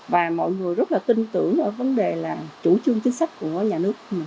và mọi người rất tin tưởng vấn đề là chủ trương chính sách của nhà nước